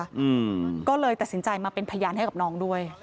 อืมก็เลยตัดสินใจมาเป็นพยานให้กับน้องด้วย